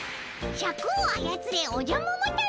シャクをあやつれおじゃ桃太郎。